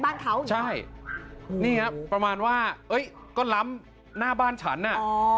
บ้านเขาใช่นี่ครับประมาณว่าเอ้ยก็ล้ำหน้าบ้านฉันน่ะอ๋อ